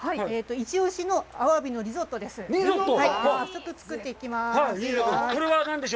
イチオシのアワビのリゾットです。